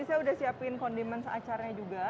ini saya sudah siapkan condiments acar nya juga